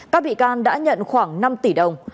các bị can đã nhận khoảng năm tỷ đồng